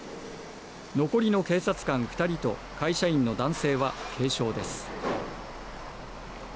残りの警察官２人と会社員の男性は軽傷です。